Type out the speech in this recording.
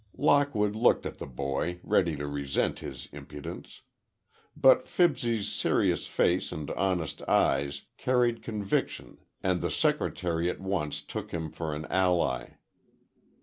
Lockwood looked at the boy, ready to resent his impudence. But Fibsy's serious face and honest eyes carried conviction and the secretary at once took him for an ally.